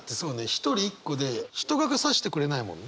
一人一個で人がさしてくれないもんね。